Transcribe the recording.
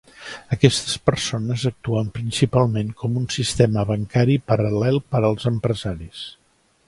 Aquestes persones actuen principalment com un sistema bancari paral·lel per als empresaris.